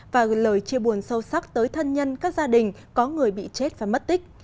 và gửi lời chia buồn sâu sắc tới thân nhân các gia đình có người bị chết và mất tích